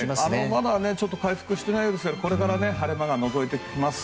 まだ回復していないようですがこれから晴れ間がのぞいてきます。